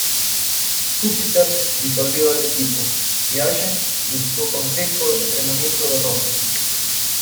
Júpiter disolvió el equipo, y Argent buscó consejo de entrenamiento de Robin.